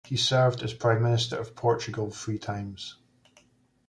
He served as Prime Minister of Portugal three times.